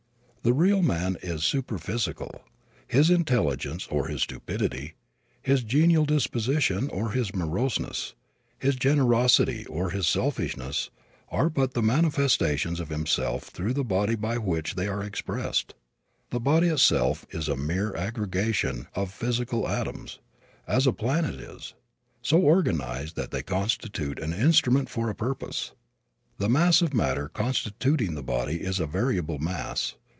The real man is superphysical. His intelligence or his stupidity, his genial disposition or his moroseness, his generosity or his selfishness, are but the manifestations of himself through the body by which they are expressed. The body itself is a mere aggregation of physical atoms, as a planet is, so organized that they constitute an instrument for a purpose. The mass of matter constituting the body is a variable mass.